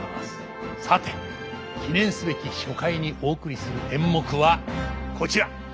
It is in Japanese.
さて記念すべき初回にお送りする演目はこちら！